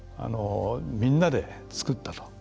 みんなで造ったと。